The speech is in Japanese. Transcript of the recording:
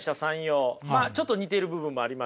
まあちょっと似てる部分もありますけれどもね。